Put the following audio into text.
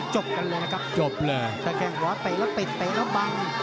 จบกันเลยนะครับจะแค่งขวาปะเอี๊ยและปะเอี๊ยและบัง